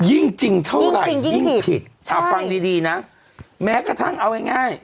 ยิ่งจริงเท่าไหร่ยิ่งผิดอ่าฟังดีดีนะแม้กระทั่งเอาง่าย